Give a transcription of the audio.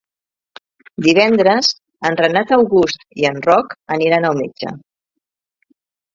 Divendres en Renat August i en Roc aniran al metge.